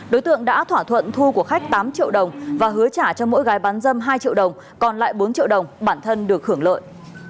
đối tượng đã thỏa thuận thu của khách tám triệu đồng và hứa trả cho mỗi gái bán dâm hai triệu đồng còn lại bốn triệu đồng bản thân được hưởng lợi